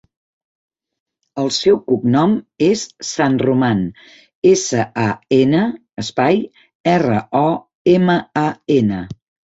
El seu cognom és San Roman: essa, a, ena, espai, erra, o, ema, a, ena.